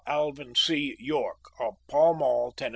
Alvin C. York of Pall Mall, Tenn.